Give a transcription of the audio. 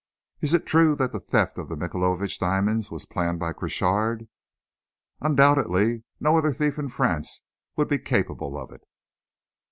Is it true that the theft of the Michaelovitch diamonds was planned by Crochard?" "Undoubtedly. No other thief in France would be capable of it."